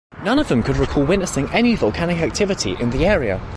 None of them could recall witnessing any volcanic activity in the area.